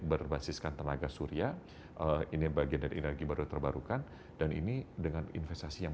berbasiskan tenaga surya ini bagian dari energi baru terbarukan dan ini dengan investasi yang